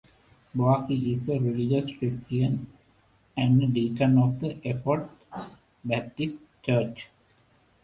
Boakai is a religious Christian and a Deacon of the Effort Baptist Church.